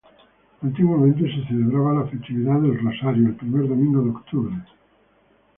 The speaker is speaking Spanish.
Antiguamente se celebraba la festividad de El Rosario, el primer domingo de octubre.